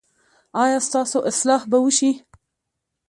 ایا ستاسو اصلاح به وشي؟